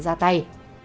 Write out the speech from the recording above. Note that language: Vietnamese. điện ra tay